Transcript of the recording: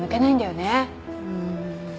うん。